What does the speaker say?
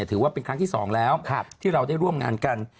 ถือว่าเป็นครั้งที่๒แล้วที่เราได้ร่วมงานกัน